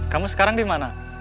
kamu sekarang dimana